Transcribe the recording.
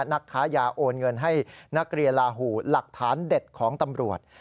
นักค้ายาโอนเงินให้นักเรียนลาหูหลักฐานเด็ดของตำรวจ